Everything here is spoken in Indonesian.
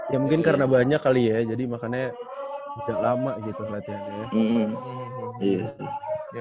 ya mungkin karena banyak kali ya jadi makannya udah lama gitu selatihannya ya